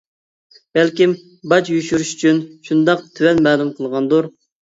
بەلكى باج يوشۇرۇش ئۈچۈن شۇنداق تۆۋەن مەلۇم قىلغاندۇر.